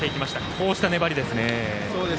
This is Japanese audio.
こうした粘りですね。